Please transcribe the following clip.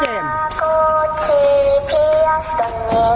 เหมือนจริง